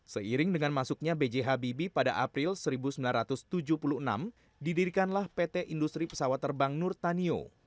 seiring dengan masuknya b j habibie pada april seribu sembilan ratus tujuh puluh enam didirikanlah pt industri pesawat terbang nurtanio